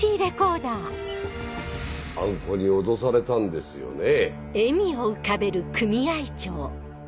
あん子に脅されたんですよね？